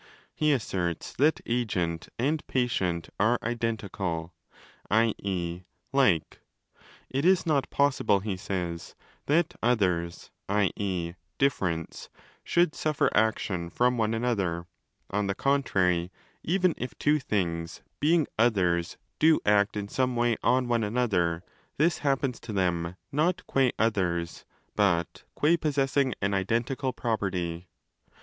He asserts that agent and patient are identical, i.e. 'like'. It is not possible (he says) that 'others', i.e. 'differents', should suffer action from one another : on the contrary, even if two things, being 'others', do act in some way on one another, this happens to them not gua 'others' but gua possessing an identical property.